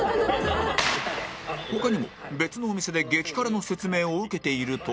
他にも別のお店で激辛の説明を受けていると